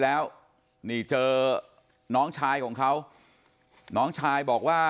แล้วนี่เจอน้องชายของเขาน้องชายบอกว่า